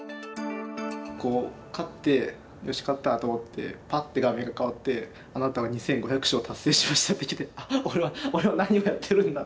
勝って「よし勝った！」と思ってパッて画面が替わって「あなたは２，５００勝達成しました」ってきて「俺は何をやってるんだ！」。